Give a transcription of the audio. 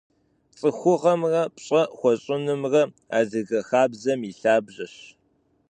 Цӏыхугъэмрэ пщӏэ хуэщӏынымрэ адыгэ хабзэм и лъабжьэщ.